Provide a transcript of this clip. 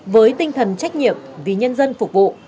với tinh thần trách nhiệm vì nhân dân phục vụ